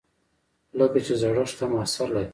لکه چې زړښت هم اثر لري.